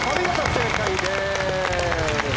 正解です。